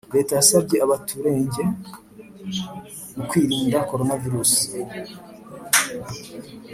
Leta yasabye abaturenge mukwirinda coronavirusi